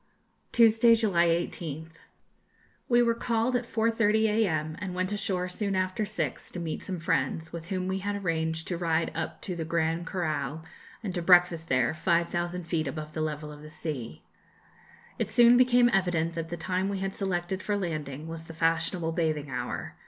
Tuesday, July 18th. We were called at 4.30 a.m., and went ashore soon after six to meet some friends, with whom we had arranged to ride up to the Gran Corral, and to breakfast there, 5,000 feet above the level of the sea. It soon became evident that the time we had selected for landing was the fashionable bathing hour.